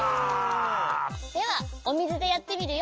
ではおみずでやってみるよ。